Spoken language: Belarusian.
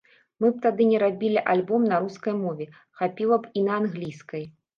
Мы б тады не рабілі альбом на рускай мове, хапіла бы і англійскай.